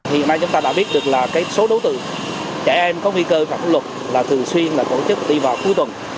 hôm nay chúng ta đã biết được là số đối tượng trẻ em có nguy cơ phản luật là thường xuyên là tổ chức đi vào cuối tuần